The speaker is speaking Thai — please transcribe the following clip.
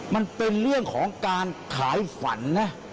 มันเป็นเรื่องของการขายฝันนะ